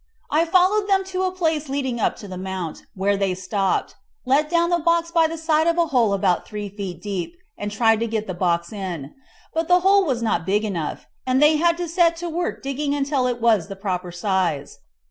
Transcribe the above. I followed them to a place leading up to the mount, where they stopped, let down the box by the side of a hole about three feet deep, and tried to get the box in; but the hole was not big enough, and they had to set to work digging until it was the proper size.